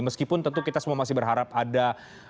meskipun tentu kita semua masih berharap ada